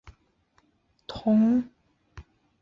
不同金属的脉动声也有所不同。